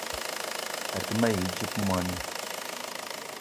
A te ma yi dzip moni